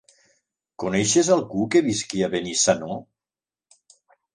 Coneixes algú que visqui a Benissanó?